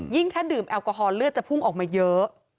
ถ้าดื่มแอลกอฮอลเลือดจะพุ่งออกมาเยอะ